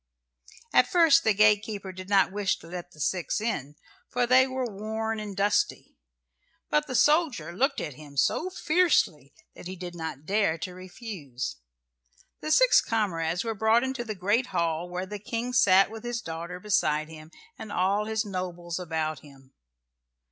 At first the gatekeeper did not wish to let the six in, for they were worn and dusty, but the soldier looked at him so fiercely that he did not dare to refuse. The six comrades were brought into the great hall where the King sat with his daughter beside him and all his nobles about him.